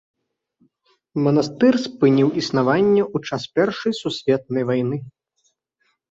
Манастыр спыніў існаванне ў час першай сусветнай вайны.